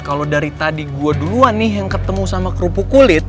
kalau dari tadi gue duluan nih yang ketemu sama kerupuk kulit